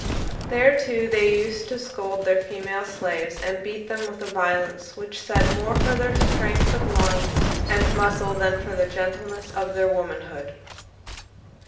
There, too, they used to scold their female slaves, and beat them, with a violence which said more for their strength of lung and muscle than for the gentleness of their womanhood.